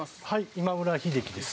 今村秀樹です。